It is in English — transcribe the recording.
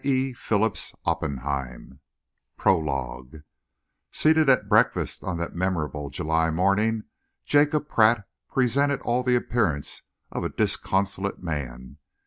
_] JACOB'S LADDER PROLOGUE Seated at breakfast on that memorable July morning, Jacob Pratt presented all the appearance of a disconsolate man.